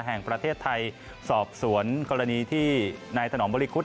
แห่งประเทศไทยสอบสวนกรณีที่นายถนอมบริคุธ